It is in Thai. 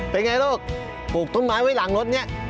เป็นอย่างไรลูกปลูกต้นไม้ไว้หลังรถนี่เย็นไหมลูก